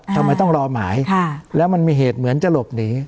ทำไมต้องรอหมายแล้วมันมีเหตุเหมือนจะหลบหนี